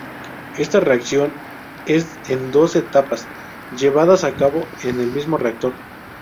Esta reacción es en dos etapas, llevadas a cabo en el mismo reactor.